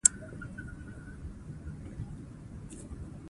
پر خپل ولینعمت مخ را اړوي.